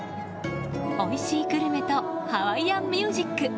おいしいグルメとハワイアンミュージック。